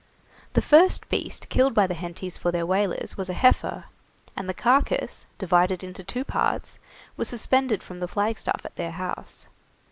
The first beast killed by the Hentys for their whalers was a heifer, and the carcase, divided into two parts, was suspended from the flagstaff at their house.